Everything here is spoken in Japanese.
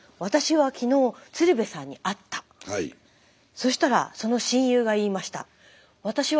そしたらその親友が言いました。